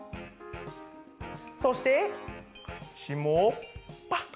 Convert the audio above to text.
そしてくちもパッ！